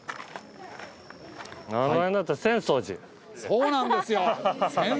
そうなんですよ。